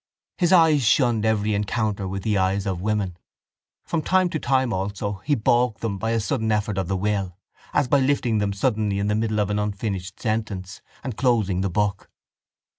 His eyes shunned every encounter with the eyes of women. From time to time also he balked them by a sudden effort of the will, as by lifting them suddenly in the middle of an unfinished sentence and closing the book.